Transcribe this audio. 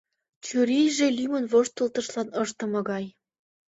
Чурийже лӱмын воштылтышлан ыштыме гай.